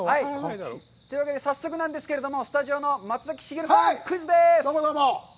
というわけで早速なんですけれども、スタジオの松崎しげるさん、クイズです。